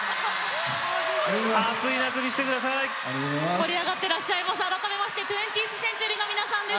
盛り上がってらっしゃいます。改めまして２０ｔｈＣｅｎｔｕｒｙの皆さんです。